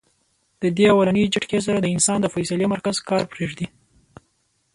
د دې اولنۍ جټکې سره د انسان د فېصلې مرکز کار پرېږدي -